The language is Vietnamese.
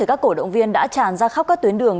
các cổ động viên đã tràn ra khắp các tuyến đường